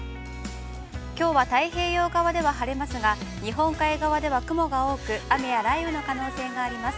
きょうは太平洋側では晴れますが、日本海側では、雲が多く、雨や雷雨の可能性があります。